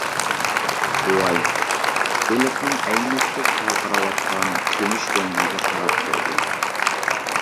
بوۋاي، بېلىقنىڭ ئەينەكتەك پارقىراۋاتقان كۈمۈش رەڭگىگە قاراپ قويدى.